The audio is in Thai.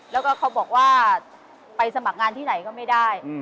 แล้วก็เขาบอกว่าไปสมัครงานที่ไหนก็ไม่ได้